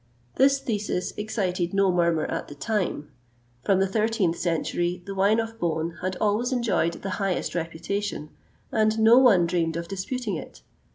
This thesis excited no murmur at the time: from the 13th century the wine of Beaune had always enjoyed the highest reputation, and no one dreamed of disputing it.